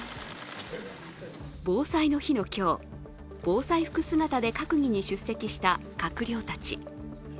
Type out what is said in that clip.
防災の日の今日、防災服姿で閣議に出席した閣僚たち。